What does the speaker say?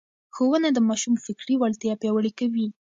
ښوونه د ماشوم فکري وړتیا پياوړې کوي.